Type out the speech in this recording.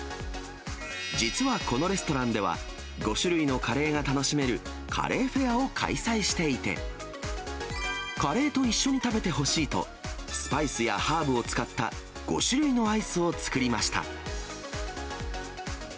実はこのレストランでは、５種類のカレーが楽しめるカレーフェアを開催していて、カレーと一緒に食べてほしいと、スパイスやハーブを使った５種類のアイスを作りました。